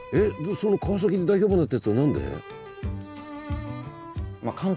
その川崎で大評判になったやつは何で？